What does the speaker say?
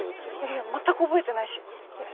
いや全く覚えてないしえっ